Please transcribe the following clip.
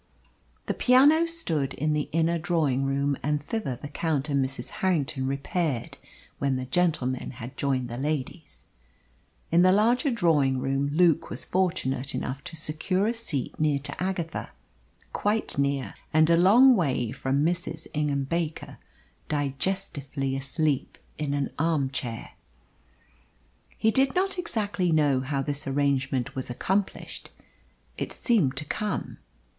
The piano stood in the inner drawing room, and thither the Count and Mrs. Harrington repaired when the gentlemen had joined the ladies. In the larger drawing room Luke was fortunate enough to secure a seat near to Agatha quite near, and a long way from Mrs. Ingham Baker, digestively asleep in an armchair. He did not exactly know how this arrangement was accomplished it seemed to come.